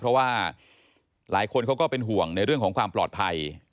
เพราะว่าหลายคนเขาก็เป็นห่วงในเรื่องของความปลอดภัย